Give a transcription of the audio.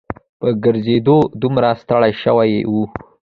په ګرځېدو دومره ستړي شوي وو.